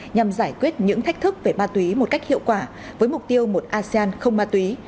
nhằm giải quyết những thách thức về ma túy một cách hiệu quả với mục tiêu một asean không ma túy